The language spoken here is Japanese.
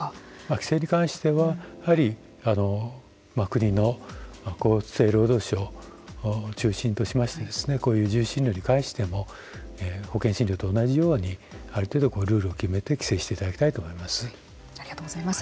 規制に関してはやはり国の厚生労働省を中心としましてこういう自由診療に関しても保険診療と同じようにある程度ルールを決めてありがとうございます。